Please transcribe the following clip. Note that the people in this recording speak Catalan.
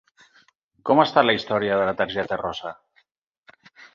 Com està la història de la targeta rosa?